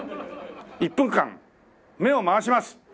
１分間目を回します。